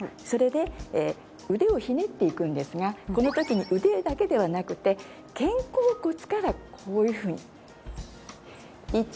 それで腕をひねっていくんですがこの時に腕だけではなくて肩甲骨からこういうふうに。